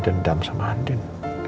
dendam sama andin